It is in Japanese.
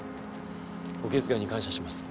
お気遣いに感謝します。